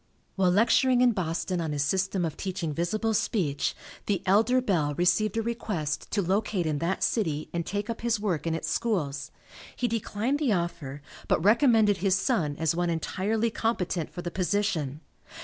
While lecturing in Boston on his system of teaching visible speech, the elder Bell received a request to locate in that city and take up his work in its schools. He declined the offer, but recommended his son as one entirely competent for the position.